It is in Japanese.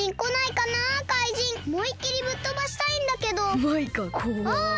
おもいっきりぶっとばしたいんだけど！